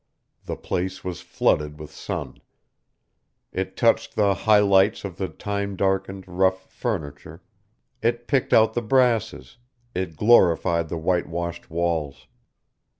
The place was flooded with sun. It touched the high lights of the time darkened, rough furniture, it picked out the brasses, it glorified the whitewashed walls.